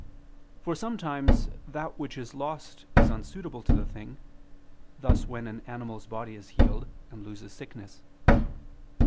For sometimes that which is lost is unsuitable to the thing: thus when an animal's body is healed, and loses sickness.